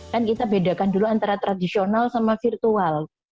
kan kita bedakan dulu antara tradisional sama virtual